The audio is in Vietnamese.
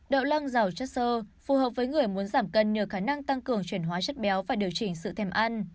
đậu lăng dầu chất sơ phù hợp với người muốn giảm cân nhờ khả năng tăng cường chuyển hóa chất béo và điều chỉnh sự thèm ăn